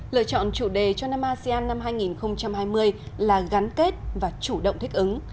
lựa chọn chủ đề cho năm asean năm hai nghìn hai mươi là gắn kết và chủ động thích ứng